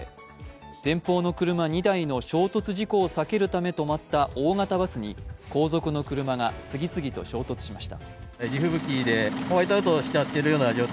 前方の車２台の衝突事故を避けるため止まった大型バスに後続の車が次々と衝突しました。